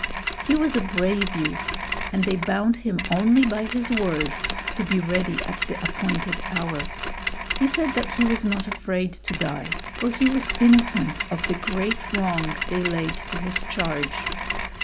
He was a brave youth, and they bound him only by his word to be ready at the appointed hour. He said that he was not afraid to die; for he was innocent of the great wrong they laid to his charge.